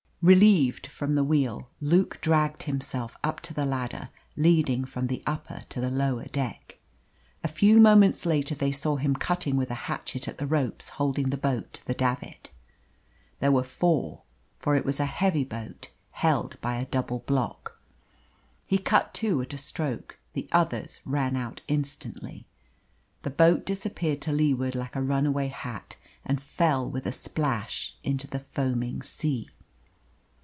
Relieved from the wheel, Luke dragged himself up to the ladder leading from the upper to the lower deck. A few moments later they saw him cutting with a hatchet at the ropes holding the boat to the davit. There were four, for it was a heavy boat, held by a double block. He cut two at a stroke: the others ran out instantly. The boat disappeared to leeward like a runaway hat, and fell with a splash into the foaming sea.